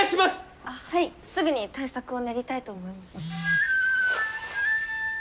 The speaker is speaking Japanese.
はいすぐに対策を練りたいと思います。